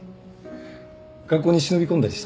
学校に忍び込んだりした？